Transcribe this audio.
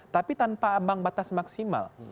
tapi tanpa ambang batas maksimal